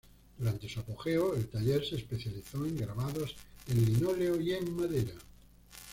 Durante su apogeo, el taller se especializó en grabados en linóleo y en madera.